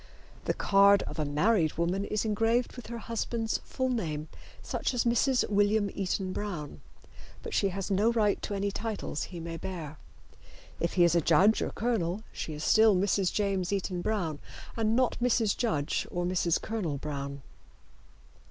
The card of a married woman is engraved with her husband's full name, such as Mrs. William Eaton Brown, but she has no right to any titles he may bear. If he is a judge or colonel she is still Mrs. James Eaton Brown and not Mrs. Judge or Mrs. Colonel Brown.